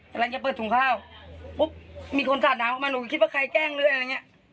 หลังจากเปิดสวงข้าวปุ๊บมีคนหัวหนาวเข้ามาหนูก็คิดว่าใครแกล้งเลยอะไรเนี้ย